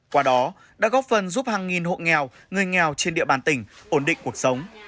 qua đó đã góp phần giúp hàng nghìn hộ nghèo người nghèo trên địa bàn tỉnh ổn định cuộc sống